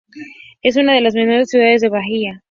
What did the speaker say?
Es una de las menores ciudades de Bahía.